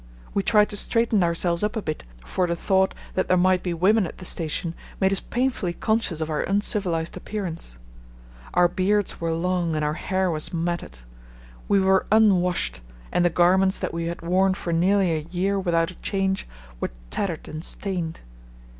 We tried to straighten ourselves up a bit, for the thought that there might be women at the station made us painfully conscious of our uncivilized appearance. Our beards were long and our hair was matted. We were unwashed and the garments that we had worn for nearly a year without a change were tattered and stained.